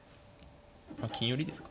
金寄りですか。